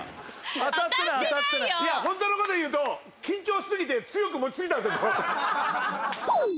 竹山：本当の事、言うと緊張しすぎて強く持ちすぎたんですよ。